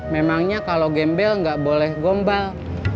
memangnya kalau gembel nggak boleh gombal